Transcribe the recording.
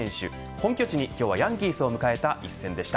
本家地に今日はヤンキースを迎えた一戦でした。